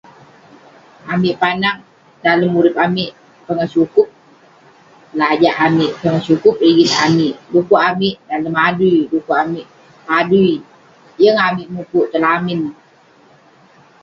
Amik panag, dalem urip amik, pongah sukup berajak amik ; pongah sukup rigit amik. Pukuk amik dalem adui, pukuk amik padui. Yeng amik mukuk tong lamin.